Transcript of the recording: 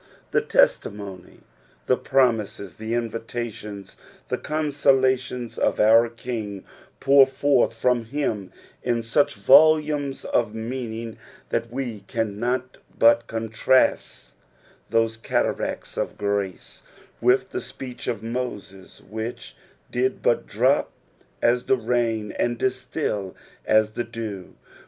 The feBtimony, the promises, the invitations, the consolations of our King pour forth from him in such volumes of meaning that we cannot but contrast those cataracts of grace with the speech of Moses which did but drop as the rain, and distil as the dew.